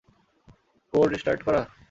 Core restart করা?